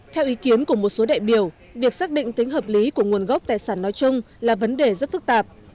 theo ý kiến của một số đại biểu việc xác định tính hợp lý của nguồn gốc tài sản nói chung là vấn đề rất phức tạp